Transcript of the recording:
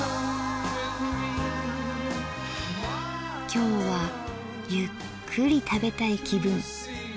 今日はゆっくり食べたい気分。